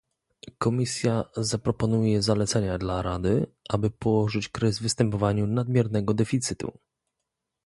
Komisja zaproponuje zalecenia dla Rady, aby położyć kres występowaniu nadmiernego deficytu